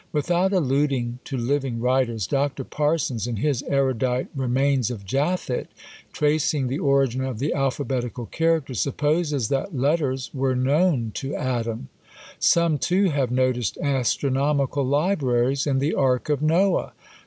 Without alluding to living writers, Dr. Parsons, in his erudite "Remains of Japhet," tracing the origin of the alphabetical character, supposes that letters were known to Adam! Some, too, have noticed astronomical libraries in the Ark of Noah!